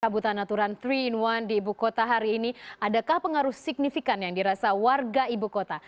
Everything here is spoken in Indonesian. kabutan aturan tiga in satu di ibu kota hari ini adakah pengaruh signifikan yang dirasa warga ibu kota